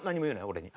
俺に。